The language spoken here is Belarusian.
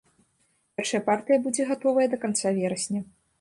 Першая партыя будзе гатовая да канца верасня.